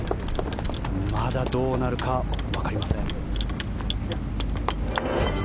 まだどうなるかわかりません。